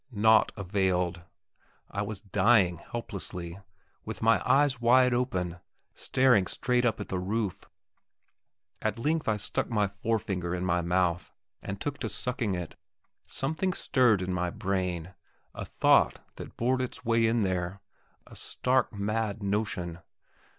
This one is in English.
Naught availed; I was dying helplessly, with my eyes wide open staring straight up at the roof. At length I stuck my forefinger in my mouth, and took to sucking it. Something stirred in my brain, a thought that bored its way in there a stark mad notion.